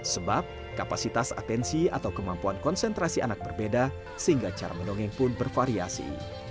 sebab kapasitas atensi atau kemampuan konsentrasi anak berbeda sehingga cara mendongeng pun bervariasi